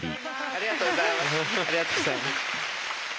ありがとうございます。